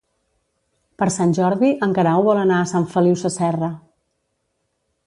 Per Sant Jordi en Guerau vol anar a Sant Feliu Sasserra.